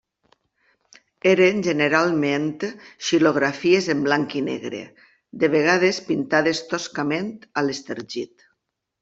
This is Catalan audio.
Eren generalment xilografies en blanc i negre, de vegades pintades toscament a l'estergit.